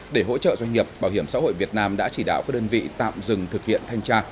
để hỗ trợ doanh nghiệp bảo hiểm xã hội việt nam đã chỉ đạo các đơn vị tạm dừng thực hiện thanh tra